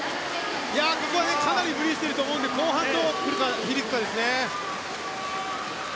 ここはかなり無理していると思うので後半、どう響くかですね。